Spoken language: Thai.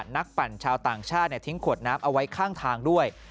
ปั่นชาวต่างชาติทิ้งขวดน้ำเอาไว้ข้างทางด้วย